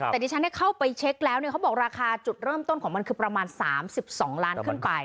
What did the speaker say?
แต่ดิฉันเข้าไปเช็คแล้วเนี่ยเขาบอกราคาจุดเริ่มต้นของมันคือประมาณ๓๒ล้านขึ้นไป